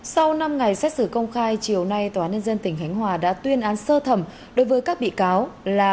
sau năm ngày xét xử công khai chiều nay tnth đã tuyên án sơ thẩm đối với các bị cáo là